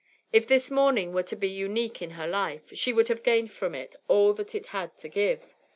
If this morning were to be unique in her life, she would have gained from it all that it had to give.